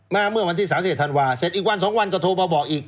มาเมื่อวันที่สามเศษธันวาสเสร็จอีกวันสองวันก็โทรมาบอกอีก